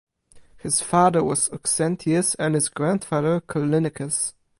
His father was Auxentius and his grandfather Callinicus.